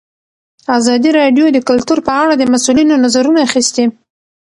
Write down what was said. ازادي راډیو د کلتور په اړه د مسؤلینو نظرونه اخیستي.